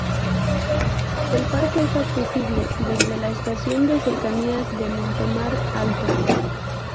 El parque es accesible desde la estación de cercanías de Montemar Alto.